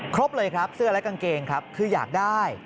ครบเลยครับเสื้อและกางเกงครับคืออยากได้